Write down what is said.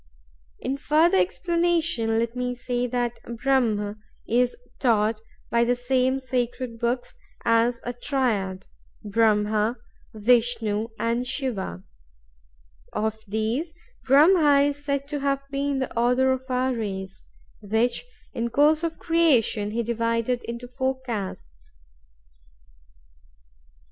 In further explanation let me say that Brahm is taught, by the same sacred books, as a Triad—Brahma, Vishnu, and Shiva. Of these, Brahma is said to have been the author of our race; which, in course of creation, he divided into four castes.